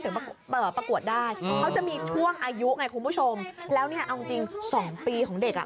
ประกวดได้เขาจะมีช่วงอายุไงคุณผู้ชมแล้วเนี่ยเอาจริง๒ปีของเด็กอ่ะ